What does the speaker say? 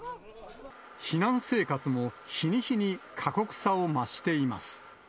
避難生活も日に日に過酷さを増しています。